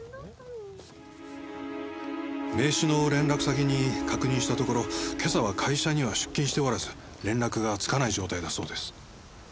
名刺の連絡先に確認したところ今朝は会社には出勤しておらず連絡がつかない状態だそうです。